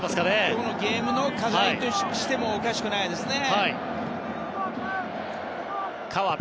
このゲームの課題としてもおかしくないですね。